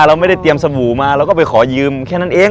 เราไม่ได้เตรียมสบู่มาเราก็ไปขอยืมแค่นั้นเอง